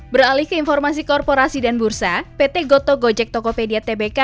beralih ke informasi korporasi dan bursa pt goto gojek tokopedia tbk